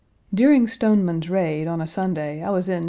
During Stoneman's raid, on a Sunday I was in Mrs. 1.